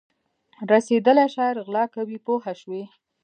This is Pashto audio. رسېدلی شاعر غلا کوي پوه شوې!.